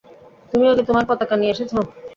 তুমিও কি তোমার পতাকা নিয়ে এসেছ?